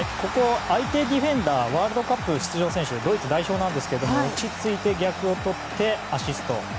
相手ディフェンダーはワールドカップ出場選手のドイツ代表なんですけど落ち着いて逆をとってアシスト。